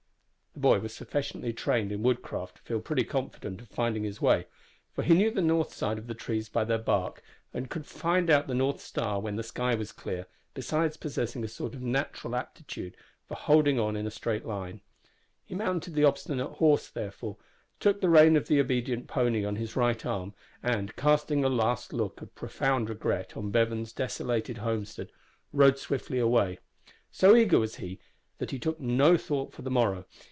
The boy was sufficiently trained in woodcraft to feel pretty confident of finding his way, for he knew the north side of trees by their bark, and could find out the north star when the sky was clear, besides possessing a sort of natural aptitude for holding on in a straight line. He mounted the obstinate horse, therefore, took the rein of the obedient pony on his right arm, and, casting a last look of profound regret on Bevan's desolated homestead, rode swiftly away. So eager was he that he took no thought for the morrow.